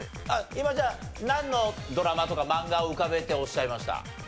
今じゃあなんのドラマとか漫画を浮かべておっしゃいました？